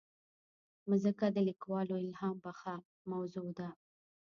مځکه د لیکوالو الهامبخښه موضوع ده.